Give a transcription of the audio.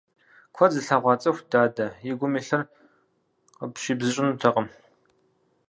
Куэд зылъэгъуа цӀыхут дадэ, и гум илъыр къыпщибзыщӀынутэкъым.